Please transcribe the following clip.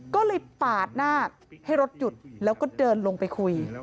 ก็เลยปาดหน้าให้รถหยุดแล้วก็เดินลงไปคุย